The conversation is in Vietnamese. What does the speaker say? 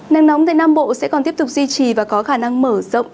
nắng nóng tại nam bộ sẽ còn tiếp tục duy trì và có khả năng mở rộng